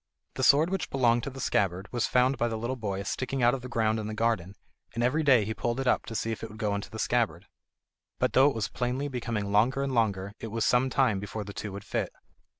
The sword which belonged to the scabbard was found by the little boy sticking out of the ground in the garden, and every day he pulled it up to see if it would go into the scabbard. But though it was plainly becoming longer and longer, it was some time before the two would fit.